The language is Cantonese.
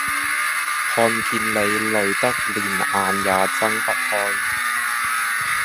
看見你累得連眼也睜不開